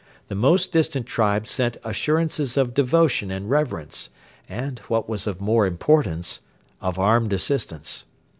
The most distant tribes sent assurances of devotion and reverence, and, what was of more importance, of armed assistance.